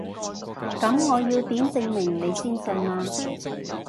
噉我要點證明你先信啊？